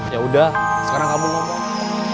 ya udah sekarang kamu ngomong